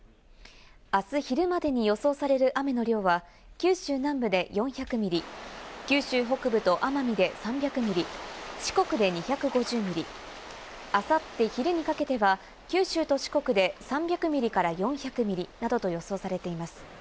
あす昼までに予想される雨の量は、九州南部で４００ミリ、九州北部と奄美で３００ミリ、四国で２５０ミリ、あさって昼にかけては九州と四国で３００ミリから４００ミリなどと予想されています。